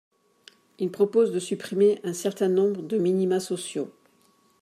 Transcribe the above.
Il propose de supprimer un certain nombre de minima sociaux.